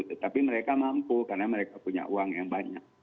tetapi mereka mampu karena mereka punya uang yang banyak